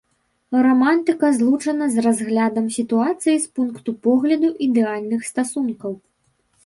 Рамантыка злучана з разглядам сітуацый з пункту погляду ідэальных стасункаў.